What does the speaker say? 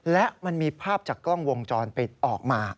และมันมีภาพจากกล้องวงจรปิดออกมา